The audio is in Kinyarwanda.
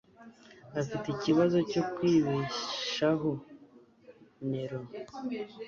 Afite ikibazo cyo kwibeshaho. (Nero)